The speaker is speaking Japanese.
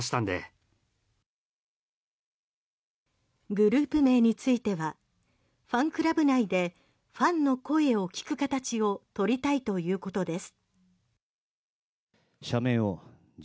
グループ名についてはファンクラブ内でファンの声を聞く形をとりたいということです。